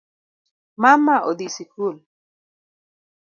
Mama odhii sikul